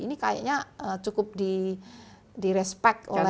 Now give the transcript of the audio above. ini kayaknya cukup di respect oleh